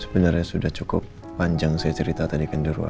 sebenarnya sudah cukup panjang saya cerita tadi ke anda